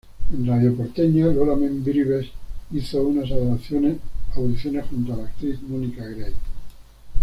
En Radio Porteña, Lola Membrives, hizo unas audiciones junto a la actriz Mónica Grey.